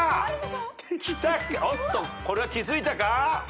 おっとこれは気付いたか？